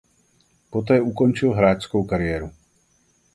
Poté ukončil hráčskou kariéru.